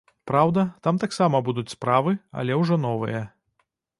Праўда, там таксама будуць справы, але ўжо новыя.